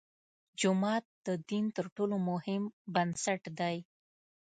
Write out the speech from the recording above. جومات د دین تر ټولو مهم بنسټ دی.